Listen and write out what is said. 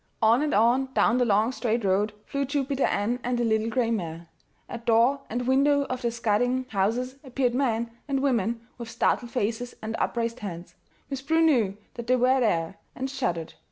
On and on down the long straight road flew Jupiter Ann and the little gray mare. At door and window of the scudding houses appeared men and women with startled faces and upraised hands. Miss Prue knew that they were there, and shuddered.